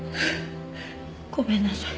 ごめんなさい。